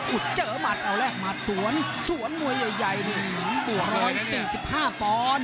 อุ๊ยเจอหมัดเอาแล้วหมัดสวนสวนมวยใหญ่บวก๑๔๕ปอนด์